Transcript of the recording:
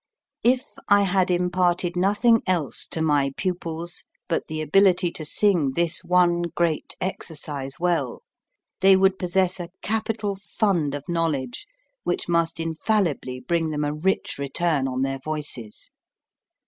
If I had imparted nothing else to my pupils but the ability to sing this one great exercise well, they would possess a capital fund of knowledge which must infallibly bring them a rich return on their voices.